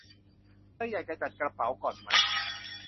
เธออยากจะจัดกระเป๋าก่อนไหม